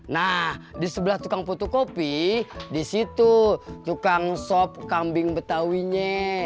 nah di sebelah tukang putu kopi di situ tukang sop kambing betawinya